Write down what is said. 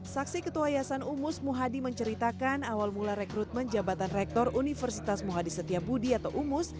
saksi ketua yayasan umus muhadi menceritakan awal mula rekrutmen jabatan rektor universitas muhadi setiabudi atau umus